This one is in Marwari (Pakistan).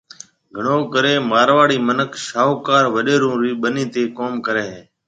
گھڻو ڪرَي مارواڙي مِنک شاھوڪار وڏيرون رِي ٻنِي تي ڪوم ڪرَي ھيَََ